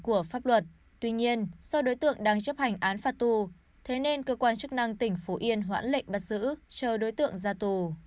của pháp luật tuy nhiên do đối tượng đang chấp hành án phạt tù thế nên cơ quan chức năng tỉnh phú yên hoãn lệnh bắt giữ chờ đối tượng ra tù